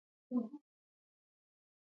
جلکۍ ویلوړه په لمونځه ده